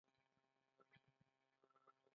دلته د "روغتیايي پاملرنې" په اړه جملې دي: